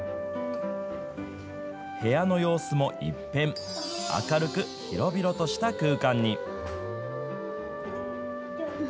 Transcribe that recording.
部屋の様子も一変、明るく広々とした空間に。